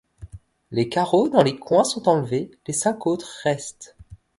Les carreaux dans les coins sont enlevés, les cinq autres restent.